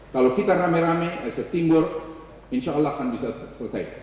kalau kita rame rame as a teamwork insya allah akan bisa selesai